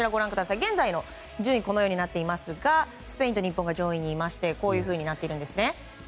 現在の順位はこのようになっていますがスペインと日本が上位にいましてこうなっているんですね。